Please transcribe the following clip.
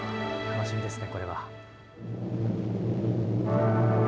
楽しみですね、これは。